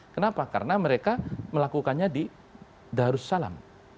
kenapa karena mereka melakukannya di darussalam